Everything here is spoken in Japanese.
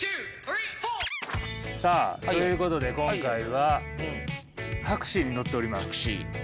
さあということで今回はタクシーに乗っております。